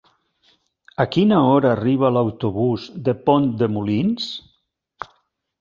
A quina hora arriba l'autobús de Pont de Molins?